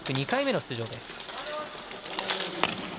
２回目の出場です。